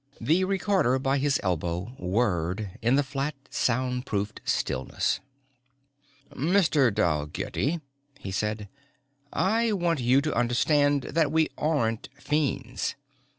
The recorder by his elbow whirred in the flat soundproofed stillness. "Mr. Dalgetty," he said, "I want you to understand that we aren't fiends.